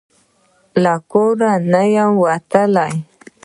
له کور نه یمه وتلې